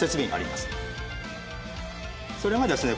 それがですね